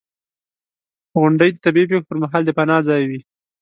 • غونډۍ د طبعي پېښو پر مهال د پناه ځای وي.